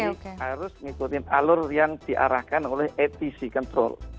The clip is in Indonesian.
harus mengikuti alur yang diarahkan oleh atc control